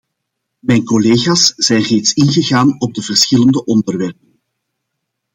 Mijn collega's zijn reeds ingegaan op de verschillende onderwerpen.